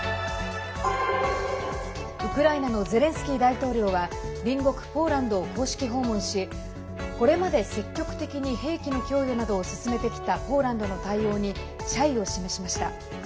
ウクライナのゼレンスキー大統領は隣国ポーランドを公式訪問しこれまで積極的に兵器の供与などを進めてきたポーランドの対応に謝意を示しました。